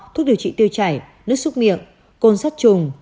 thuốc điều trị tiêu chảy nước xúc miệng côn sắt trùng